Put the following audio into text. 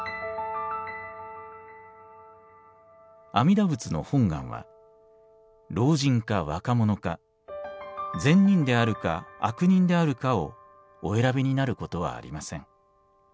「阿弥陀仏の本願は老人か若者か善人であるか悪人であるかをお選びになることはありません。